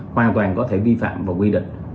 hoàn toàn có thể vi phạm và quy định